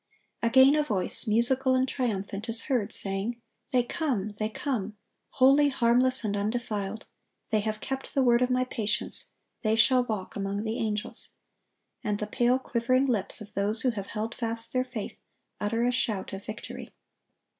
(1092) Again a voice, musical and triumphant, is heard, saying: "They come! they come! holy, harmless, and undefiled. They have kept the word of My patience; they shall walk among the angels;" and the pale, quivering lips of those who have held fast their faith, utter a shout of victory.